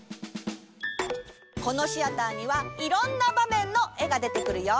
このシアターにはいろんなばめんのえがでてくるよ。